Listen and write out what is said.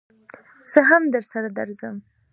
زه هم درسره ځم